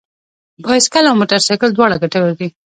بايسکل او موټر سايکل دواړه ګټور دي.